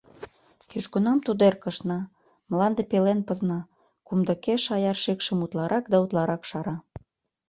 Южгунам тудо эркышна, мланде пелен пызна, кумдыкеш аяр шикшым утларак да утларак шара.